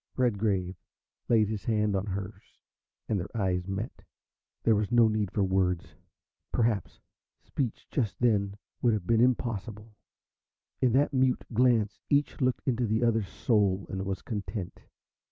Redgrave laid his hand on hers, and their eyes met. There was no need for words. Perhaps speech just then would have been impossible. In that mute glance each looked into the other's soul and was content.